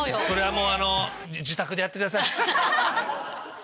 それはもう自宅でやってください。